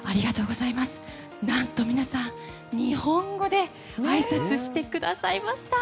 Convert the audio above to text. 何と皆さん、日本語であいさつしてくださいました。